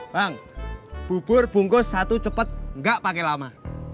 bang bubur bungkus satu cepet gak pake lama